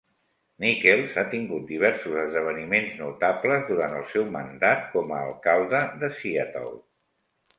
Nickels ha tingut diversos esdeveniments notables durant el seu mandat com a alcalde de Seattle.